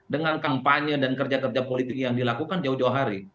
dengan kampanye dan kerja kerja politik yang dilakukan jauh jauh hari